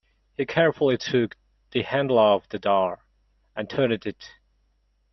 He carefully took the handle of the door, and turned it.